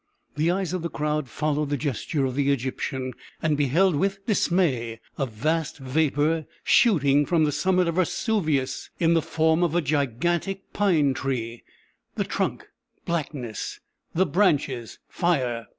The eyes of the crowd followed the gesture of the Egyptian, and beheld with dismay a vast vapor shooting from the summit of Vesuvius in the form of a gigantic pine tree; the trunk, blackness the branches fire!